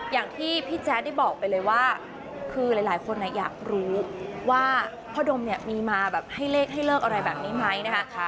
อย่างที่พี่แจ๊ดได้บอกไปเลยว่าคือหลายคนอยากรู้ว่าพ่อดมเนี่ยมีมาแบบให้เลขให้เลิกอะไรแบบนี้ไหมนะคะ